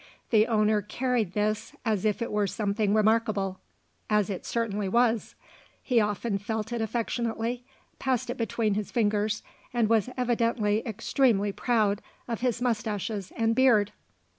The owner carried this as if it were something remarkable (as it certainly was); he often felt it affectionately, passed it between his fingers, and was evidently extremely proud of his moustaches and beard!